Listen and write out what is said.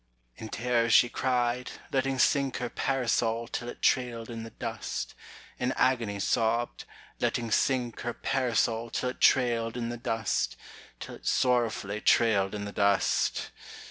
In terror she cried, letting sink her Parasol till it trailed in the dust; In agony sobbed, letting sink her Parasol till it trailed in the dust, Till it sorrowfully trailed in the dust.